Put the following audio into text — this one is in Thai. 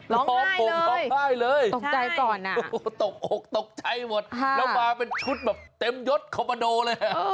ร้องไห้เลยตกใจก่อนน่ะตกหกตกใจหมดแล้วมาเป็นชุดแบบเต็มยศคอมพาโดเลย